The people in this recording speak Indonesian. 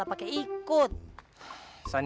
ini karena hassan